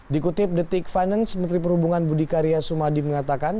dikutip detik finance menteri perhubungan budi karya sumadi mengatakan